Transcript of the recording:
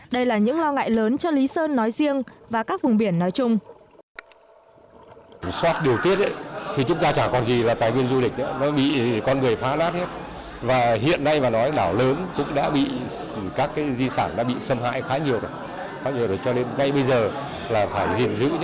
đây là những lo ngại lớn cho lý sơn nói riêng và các vùng biển nói chung